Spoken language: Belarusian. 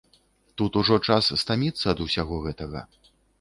Тут ужо час стаміцца ад усяго гэтага.